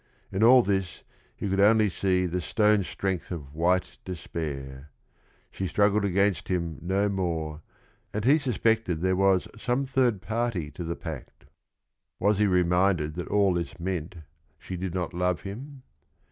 In all this he could only see the "stone strength of white despair." She struggled against him no more and he suspected there was "some third party to the pact." Was he reminded that all this meant she did not love him